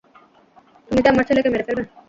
তুমি কি আমার ছেলেকে মেরে ফেলবে?